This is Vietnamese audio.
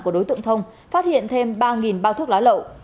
của đối tượng thông phát hiện thêm ba bao thuốc lá lậu